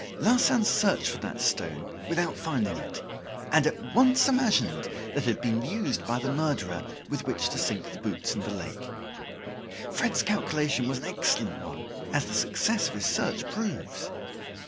Larsan searched for that stone without finding it, and at once imagined that it had been used by the murderer with which to sink the boots in the lake. Fred's calculation was an excellent one, as the success of his search proves.